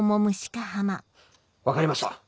分かりました。